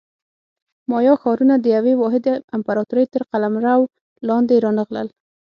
مایا ښارونه د یوې واحدې امپراتورۍ تر قلمرو لاندې رانغلل